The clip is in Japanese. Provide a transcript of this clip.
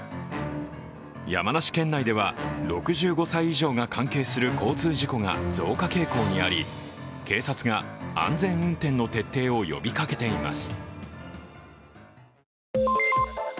山梨県内では６５歳以上が関係する交通事故が増加傾向にあり警察が安全運転の徹底を呼びかけています。